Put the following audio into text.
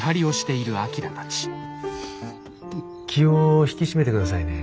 気を引き締めて下さいね。